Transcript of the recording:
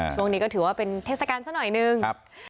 ช่วงนี้ก็ถือว่าเป็นเทศกาลซะหน่อยนึง